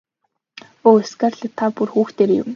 Өө Скарлетт та бүр хүүхдээрээ юм.